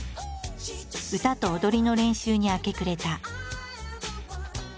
歌と踊りの練習に明け暮れた。